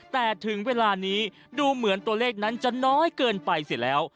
แต่ถึงเวลานี้ดูเหมือนตัวเลขนั้นจะน้อยเกินไปเสร็จแล้ว